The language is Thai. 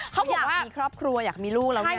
เขาอยากมีครอบครัวอยากมีลูกแล้วไง